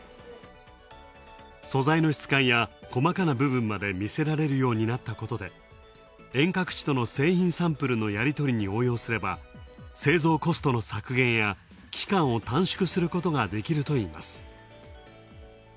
素材の質感や細かな部分まで見せられるようになったことで遠隔地との製品サンプルのやり取りに応用すれば、製造コストの削減や期間を短縮することができるといいます。